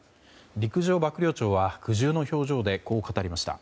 陸上幕僚長は苦渋の表情でこう語りました。